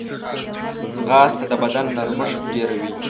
ځغاسته د بدن نرمښت ډېروي